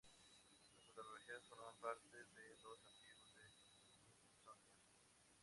Las fotografías forman parte de los archivos del Smithsonian.